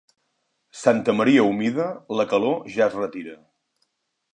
Santa Maria humida, la calor ja es retira.